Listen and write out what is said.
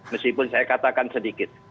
meskipun saya katakan sedikit